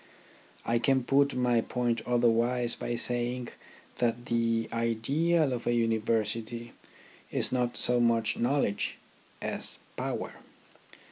I can put my point otherwise by saying that the ideal of a University is not so much knowledge, as power.